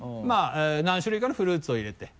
何種類かのフルーツを入れて。